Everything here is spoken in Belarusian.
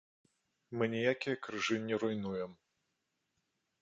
Мы ніякія крыжы не руйнуем.